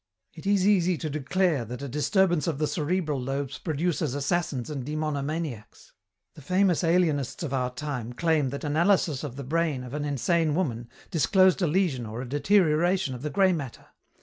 It is easy to declare that a disturbance of the cerebral lobes produces assassins and demonomaniacs. The famous alienists of our time claim that analysis of the brain of an insane woman disclosed a lesion or a deterioration of the grey matter.